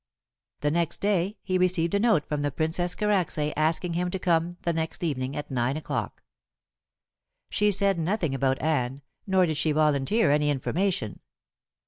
The next day he received a note from the Princess Karacsay asking him to come the next evening at nine o'clock. She said nothing about Anne, nor did she volunteer any information.